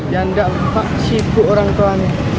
jangan takut kesibukan orang tua